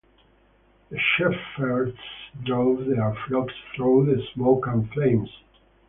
The shepherds drove their flocks through the smoke and flames.